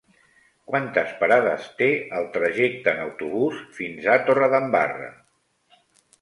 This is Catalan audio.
Quantes parades té el trajecte en autobús fins a Torredembarra?